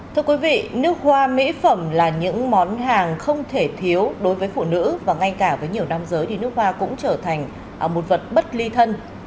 thưa quý vị nước hoa mỹ phẩm là những món hàng không thể thiếu đối với phụ nữ và ngay cả với nhiều nam giới thì nước hoa cũng trở thành một vật bất ly thân